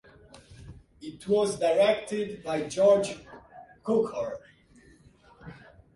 It was directed by George Cukor.